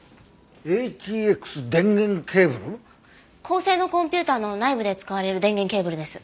高性能コンピューターの内部で使われる電源ケーブルです。